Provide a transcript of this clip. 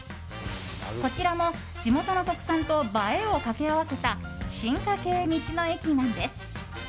こちらも地元の特産と映えをかけ合わせた進化形道の駅なんです。